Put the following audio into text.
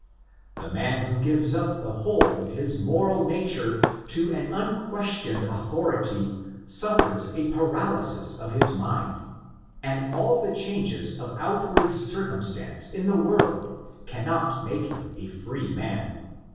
The man who gives up the whole of his moral nature to an unquestioned authority suffers a paralysis of his mind, and all the changes of outward circumstance in the world cannot make him a free man.